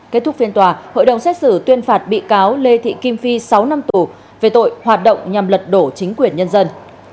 kết thúc phiên tòa hội đồng xét xử tuyên phạt bị cáo lê thị kim phi sáu năm tù về tội hoạt động nhằm lật đổ chính quyền nhân dân